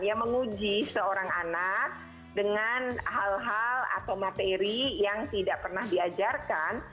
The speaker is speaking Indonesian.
dia menguji seorang anak dengan hal hal atau materi yang tidak pernah diajarkan